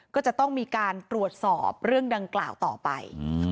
ก็จะต้องมีการตรวจสอบเรื่องดังกล่าวต่อไป